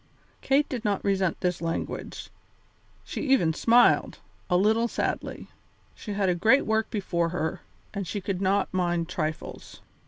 Kate did not resent this language; she even smiled, a little sadly. She had a great work before her, and she could not mind trifles.